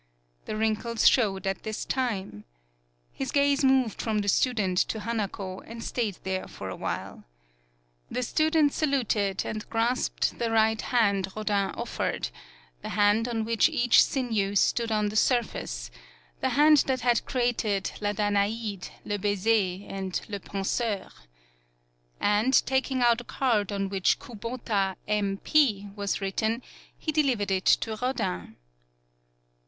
The wrinkles showed at this time. His gaze moved from the student to Hanako, and stayed there for a while. The student saluted, and grasped the right hand Rodin offered, the hand on which each sinew stood on the surface, the hand that had created La Danaide, Le Bcdser, and Le Pen seur. And, taking out a card on which Kubota, M. P., was written, he deliv ered it to Rodin.